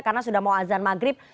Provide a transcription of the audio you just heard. karena sudah mau azan maghrib